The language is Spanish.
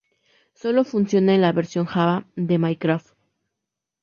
Solo funciona en la "Versión Java" de "Minecraft".